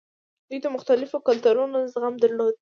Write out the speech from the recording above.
دوی د مختلفو کلتورونو زغم درلود